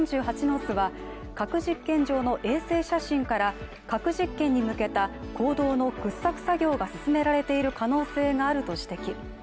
ノースは核実験場の衛星写真から核実験に向けた坑道の掘削作業が進められている可能性があると指摘。